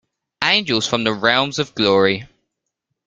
Angels from the realms of glory.